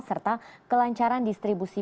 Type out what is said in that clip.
serta kelancaran distribusi